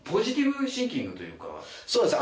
そうです。